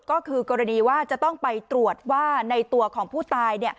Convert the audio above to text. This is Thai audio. ก็คือกรณีว่าจะต้องไปตรวจว่าในตัวของผู้ตาย